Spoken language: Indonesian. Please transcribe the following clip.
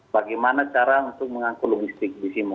bagaimana cara untuk mengangkul logistik di simu